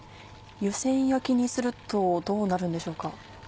湯煎焼きにするとどうなるんでしょうか？